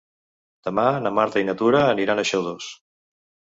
Demà na Marta i na Tura aniran a Xodos.